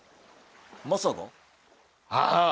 マサが？ああ。